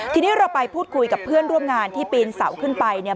ทีนี้เราไปพูดคุยกับเพื่อนร่วมงานที่ปีนเสาขึ้นไปเนี่ย